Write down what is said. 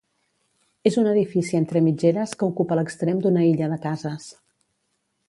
És un edifici entre mitgeres que ocupa l'extrem d'una illa de cases.